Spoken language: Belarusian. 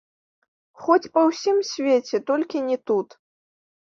Хоць па ўсім свеце, толькі не тут!